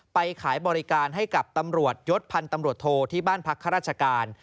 ไปขายบริการให้กับตำรวจยศพันธ์ตำรวจโทที่บ้านพักข้าราชการ